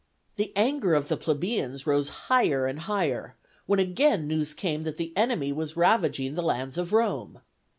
The anger of the plebeians rose higher and higher, when again news came that the enemy was ravaging the lands of Rome.